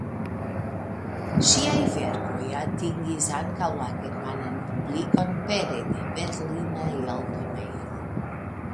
Ŝiaj verkoj atingis ankaŭ la germanan publikon pere de berlina eldonejo.